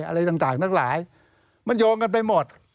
อะไรต่างทั้งหลายมันโยงกันไปหมด